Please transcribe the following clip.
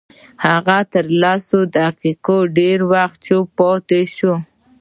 هغه تر لس دقيقې ډېر وخت چوپ پاتې شو.